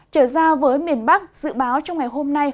trở ra với miền bắc dự báo trong ngày hôm nay